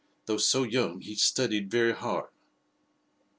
Though so young, he studied very hard."